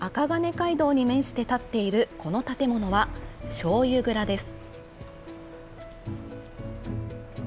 街道に面して建っているこの建物は、しょうゆ蔵です。